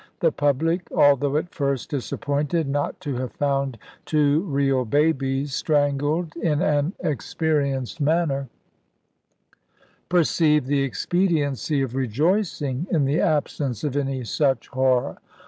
The public (although at first disappointed not to have found two real babies strangled in an experienced manner) perceived the expediency of rejoicing in the absence of any such horror.